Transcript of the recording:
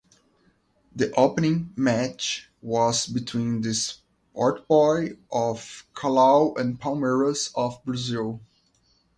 The opening match was between the Sport Boys of Callao and Palmeiras of Brazil.